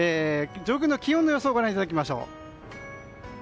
上空の気温の予想をご覧いただきましょう。